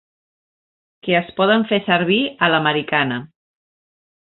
Que es poden fer servir a l'americana.